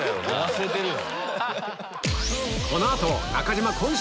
忘れてるよ。